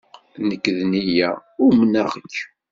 Nekk d nniya, umneɣ-k.